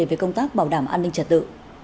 về công tác bảo đảm an ninh trật tự